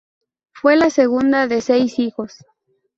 Fue la segunda de seis hijos.